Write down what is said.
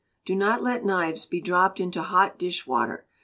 Do not let knives be dropped into hot dish water.